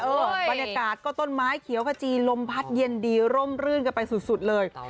บรรยากาศก็ต้นไม้เขียวขจีลมพัดเย็นดีร่มรื่นกันไปสุดเลย